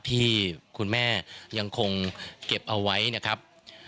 ที่คุณแม่ยังคงเก็บเอาไว้นะครับ